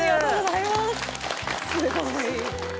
すごい。